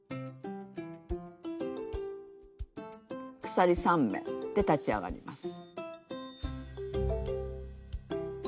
鎖３目で立ち上がります。